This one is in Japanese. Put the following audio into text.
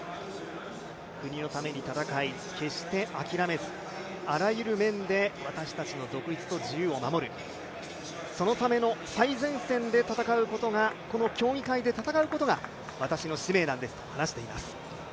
国のために戦い、決して諦めずあらゆる面で、私たちの独立と自由を守るそのための、最前線で戦うことがこの競技会で戦うことが私の使命なんですと話しています。